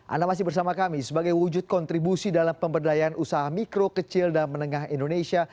anda masih bersama kami sebagai wujud kontribusi dalam pemberdayaan usaha mikro kecil dan menengah indonesia